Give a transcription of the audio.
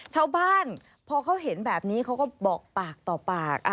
ชาวบ้านพอเขาเห็นแบบนี้เขาก็บอกปากต่อปาก